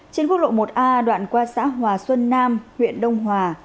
trên quốc lộ một a đoạn qua xã hòa xuân nam huyện đông hòa